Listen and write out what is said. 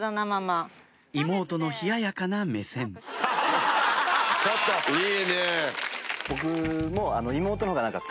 妹の冷ややかな目線いいね！